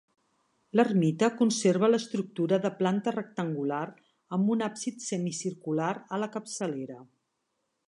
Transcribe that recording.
L'ermita conserva l'estructura de planta rectangular amb un absis semicircular a la capçalera.